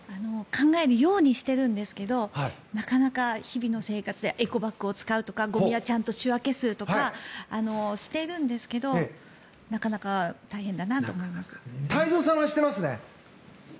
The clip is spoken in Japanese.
考えるようにしてるんですけどなかなか日々の生活でエコバッグを使うとかゴミはちゃんと仕分けするとかしているんですけど太蔵さんはしてますね。